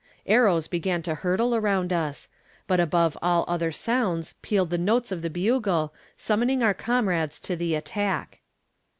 Arrows began to hurtle around us; but above all other sounds pealed the notes of the bugle, summoning our comrades to the attack.